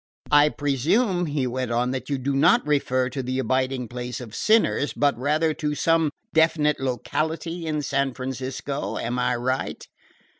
"I presume," he went on, "that you do not refer to the abiding place of sinners, but rather to some definite locality in San Francisco. Am I right?"